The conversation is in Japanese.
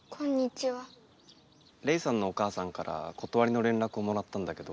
レイさんのお母さんからことわりの連絡をもらったんだけど。